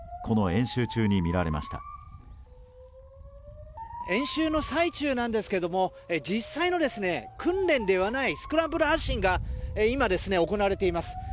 演習の最中なんですけども実際の、訓練ではないスクランブル発進が今、行われています。